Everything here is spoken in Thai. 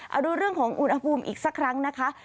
เอาดูเรื่องของอุณหภูมิอีกสักครั้งนะคะ